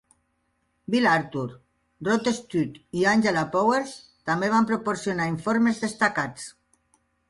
Bill Arthur, Rod Studd i Angela Powers també van proporcionar informes destacats..